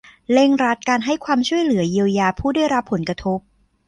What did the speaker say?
เร่งรัดการให้ความช่วยเหลือเยียวยาผู้ได้รับผลกระทบ